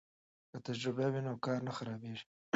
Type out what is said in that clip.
که تجربه وي نو کار نه خرابېږي.